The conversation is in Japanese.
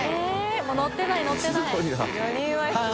もう乗ってない乗ってない片岡）